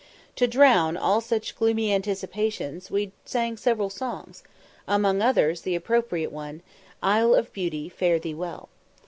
To drown all such gloomy anticipations we sang several songs, among others the appropriate one, "Isle of Beauty, fare thee well."